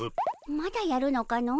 まだやるのかの。